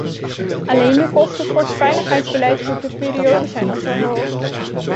Alleen de kosten voor het veiligheidsbeleid voor de periode zijn al zo hoog.